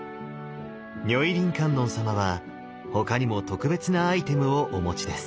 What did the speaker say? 如意輪観音様は他にも特別なアイテムをお持ちです。